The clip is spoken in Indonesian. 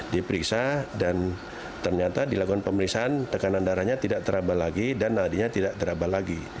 diperiksa dan ternyata dilakukan pemeriksaan tekanan darahnya tidak terabal lagi dan nadinya tidak terabal lagi